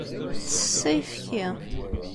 Tsess ayefki.